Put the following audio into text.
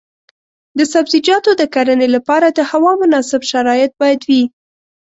د سبزیجاتو د کرنې لپاره د هوا مناسب شرایط باید وي.